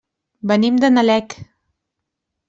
Venim de Nalec.